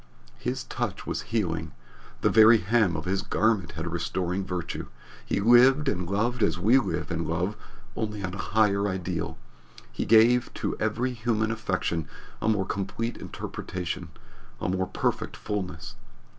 His touch was healing; the very hem of his garment had restoring virtue. He lived and loved as we live and love, only on a higher ideal, he gave to every human affection a more complete interpretation, a more perfect fullness.